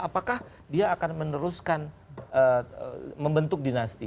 apakah dia akan meneruskan membentuk dinasti